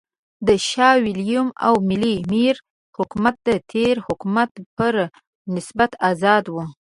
د شاه وېلیم او ملکې مېري حکومت د تېر حکومت پر نسبت آزاد و.